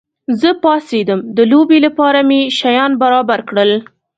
زه پاڅېدم، د لوبې لپاره مې شیان برابر کړل.